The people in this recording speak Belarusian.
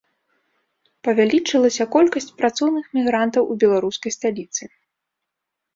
Павялічылася колькасць працоўных мігрантаў у беларускай сталіцы.